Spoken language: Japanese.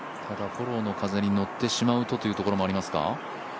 フォローの風に乗ってしまうとというところもありますか。